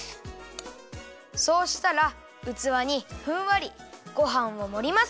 そうしたらうつわにふんわりごはんをもります。